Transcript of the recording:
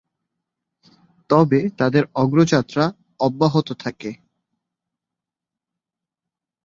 তবে তাদের অগ্রযাত্রা অব্যাহত থাকে।